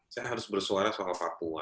saya harus bersuara soal papua